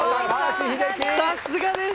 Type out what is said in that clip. さすがです。